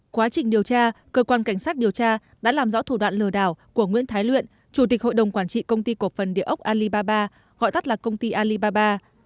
quá trình điều tra cơ quan cảnh sát điều tra đã làm rõ thủ đoạn lừa đảo của nguyễn thái luyện chủ tịch hội đồng quản trị công ty cổ phần địa ốc alibaba gọi tắt là công ty alibaba